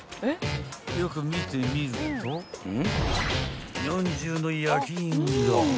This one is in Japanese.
［よく見てみると「４０」の焼き印が］